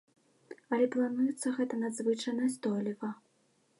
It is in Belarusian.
Але плануецца гэта надзвычай настойліва.